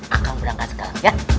akang berangkat sekarang ya